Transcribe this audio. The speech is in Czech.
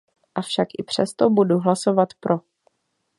Avšak i přesto budu hlasovat pro.